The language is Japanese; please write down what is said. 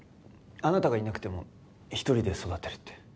あなたがいなくても一人で育てるって。